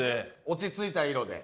落ち着いた色で。